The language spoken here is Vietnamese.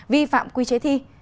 vi phạm quy chế thi